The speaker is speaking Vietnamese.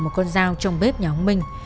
một con dao trong bếp nhà ông minh